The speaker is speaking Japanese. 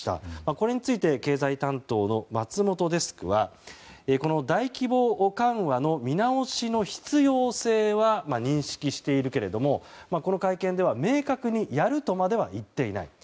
これについて経済担当の松本デスクはこの大規模緩和の見直しの必要性は認識しているけれどもこの会見では、明確にやるとまでは言っていない。